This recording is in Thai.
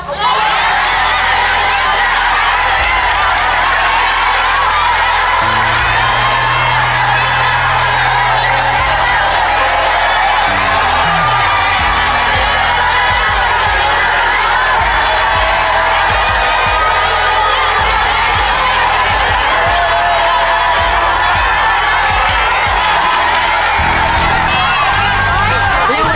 เร็วเข้าเร็วเข้าเร็วเข้า